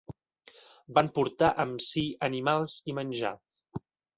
Van portar amb si animals i menjar.